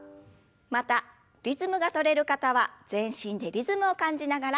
またリズムが取れる方は全身でリズムを感じながら。